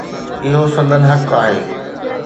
اهو سندن حق آهي.